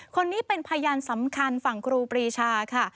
คนนี้เป็นพยานสำคัญฝั่งครูปรีชาค่ะ